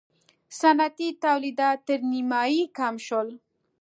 صنعتي تولیدات تر نییمایي کم شول.